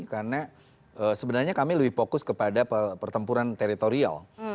karena sebenarnya kami lebih fokus kepada pertempuran teritorial